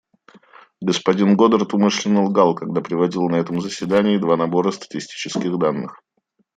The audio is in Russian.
Господин Годард умышленно лгал, когда приводил на этом заседании два набора статистических данных.